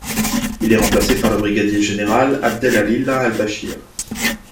Il est remplacé par le brigadier général Abdel Al-Ilah Al-Bachir.